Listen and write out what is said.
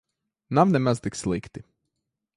Nav nemaz tik slikti.